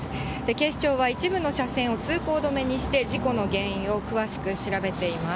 警視庁は一部の車線を通行止めにして、事故の原因を詳しく調べています。